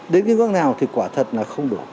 đến cái bước nào thì quả thật là không đủ